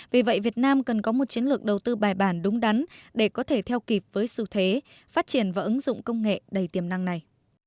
vì vậy việt nam cần có một chiến lược đầu tư bài bản đúng đắn để có thể theo kịp với xu thế phát triển và ứng dụng công nghệ đầy tiềm năng này